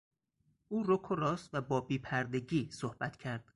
او رک و راست و با بیپردگی صحبت کرد.